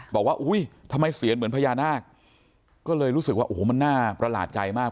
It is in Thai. บอกว่าอุ้ยทำไมเสียนเหมือนพญานาคก็เลยรู้สึกว่าโอ้โหมันน่าประหลาดใจมาก